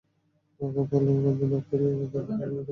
পাকা ফলের গন্ধ নাকে এলে কেদারনাথ জিহ্বাটাকে শাসন করতে পারেন না।